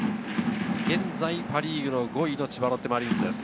現在パ・リーグの５位の千葉ロッテマリーンズです。